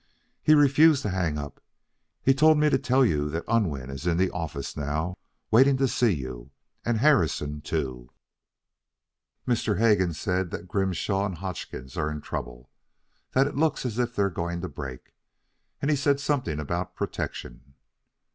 "He refuses to hang up. He told me to tell you that Unwin is in the office now, waiting to see you, and Harrison, too. Mr. Hegan said that Grimshaw and Hodgkins are in trouble. That it looks as if they are going to break. And he said something about protection."